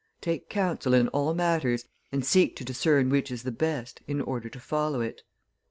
Take counsel in all matters, and seek to discern which is the best in order to follow it.